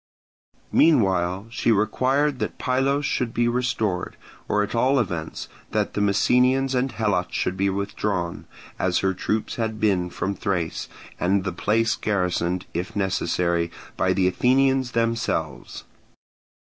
Meanwhile she required that Pylos should be restored, or at all events that the Messenians and Helots should be withdrawn, as her troops had been from Thrace, and the place garrisoned, if necessary, by the Athenians themselves.